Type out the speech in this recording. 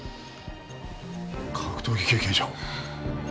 格闘技経験者。